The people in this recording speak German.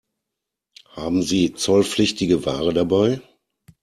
Haben Sie zollpflichtige Ware dabei?